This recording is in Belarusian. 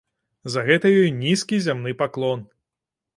За гэта ёй нізкі зямны паклон!